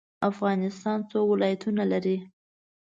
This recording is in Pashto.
افغانستان څو ولایتونه لري؟